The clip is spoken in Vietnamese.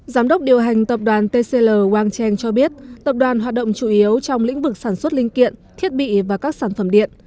giám đốc điều hành tập đoàn tcl wang cheng cho biết tập đoàn hoạt động chủ yếu trong lĩnh vực sản xuất linh kiện thiết bị và các sản phẩm điện